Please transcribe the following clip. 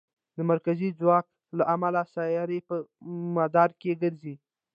د مرکزي ځواک له امله سیارې په مدار کې ګرځي.